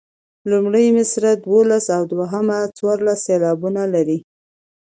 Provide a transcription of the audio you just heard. لومړۍ مصرع دولس او دویمه څوارلس سېلابونه لري.